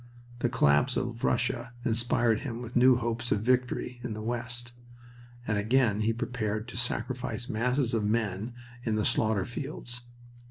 The collapse of Russia inspired him with new hopes of victory in the west, and again he prepared to sacrifice masses of men in the slaughter fields.